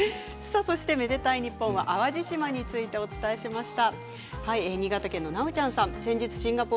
「愛でたいｎｉｐｐｏｎ」は淡路島についてお伝えしました。